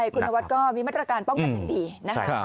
คุณธวัดก็มีมาตรการป้องกันดีนะครับ